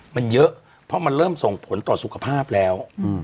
มันเยอะเพราะมันเริ่มส่งผลต่อสุขภาพแล้ว